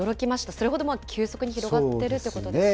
それほど急速に広がってるということですよね。